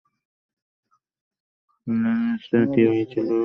লেস্ট্যাটের যে কী হয়েছিল, আমি জানি না।